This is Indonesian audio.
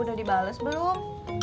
udah dibales belum